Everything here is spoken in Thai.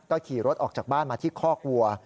ขี่รถออกจากบ้านมาที่คอกวัว